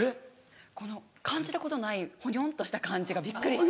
この感じたことないほにょんとした感じがびっくりして。